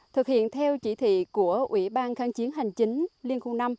thực hiện theo chỉ thị của ủy ban kháng chiến hành chính liên khu năm